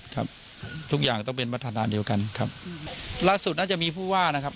ก็อย่างก็จะมีผู้ว่านะครับ